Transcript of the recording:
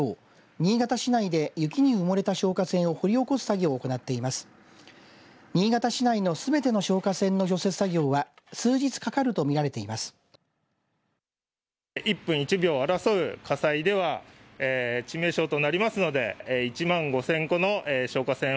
新潟市内のすべての消火栓の除雪作業は数日かかると見られています。